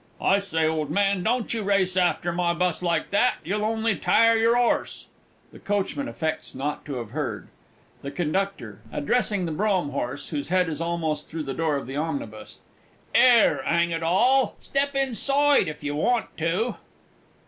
_) I say old man, don't you race after my bus like this you'll only tire your 'orse. [The Coachman affects not to have heard. THE CONDUCTOR (addressing the brougham horse, whose head is almost through the door of the omnibus). 'Ere, 'ang it all! step insoide, if yer want to!